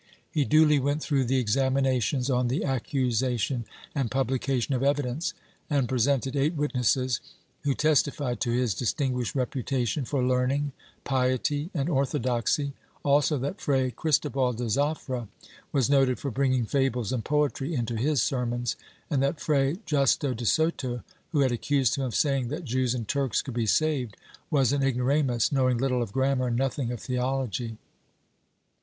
He duly Chap. Villi THEOLOGICAL TRIVIALITIES 171 went through the examinations on the accusation and publication of evidence, and presented eight witnesses, wlio testified to his distinguished reputation for learning, piety and orthodoxy, also that Fray Cristobal de Zafra was noted for bringing fables and poetry into his sermons, and that Fray Justo de Soto, who had accused him of saying that Jews and Turks could be saved, was an ignoramus, knowing little of grammar and nothing of theology.